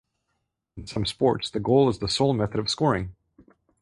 In some sports, the goal is the sole method of scoring.